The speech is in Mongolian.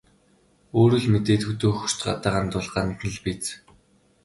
Өөрөө л мэдээд хөдөө хөхөрч, гадаа гандвал гандана л биз.